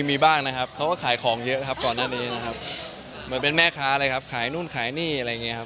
มีบ้างนะครับเขาก็ขายของเยอะครับก่อนหน้านี้นะครับเหมือนเป็นแม่ค้าเลยครับขายนู่นขายนี่อะไรอย่างเงี้ครับ